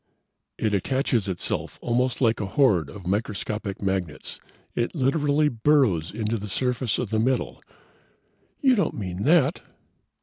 "It attaches itself almost like a horde of microscopic magnets. It literally burrows into the surface of the metal." "You don't mean that!"